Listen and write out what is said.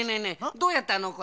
どうやったのこれ。